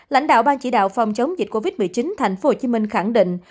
lãnh đạo ban chỉ đạo phòng chống dịch covid một mươi chín tp hcm khẳng định